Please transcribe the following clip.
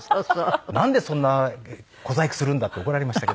「なんでそんな小細工するんだ」って怒られましたけど。